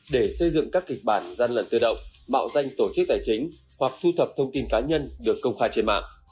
để xây dựng các kịch bản gian lận tự động mạo danh tổ chức tài chính hoặc thu thập thông tin cá nhân được công khai trên mạng